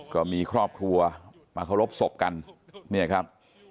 ก็มีครอบครัวมาเคารพศพกันเนี่ยครับ